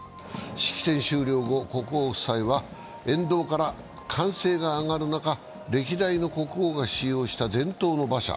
式典終了後、国王夫妻は沿道から歓声が上がる中、歴代の国王が使用した伝統の馬車